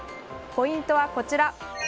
ポイントはこちら。